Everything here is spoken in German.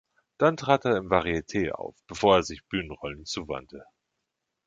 Dann trat er im Varieté auf, bevor er sich Bühnenrollen zuwandte.